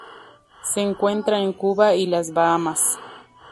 Se encuentra en Cuba y las Bahamas.